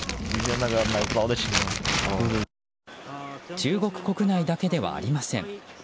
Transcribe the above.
中国国内だけではありません。